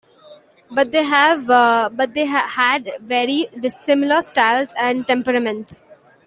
But they had very dissimilar styles and temperaments.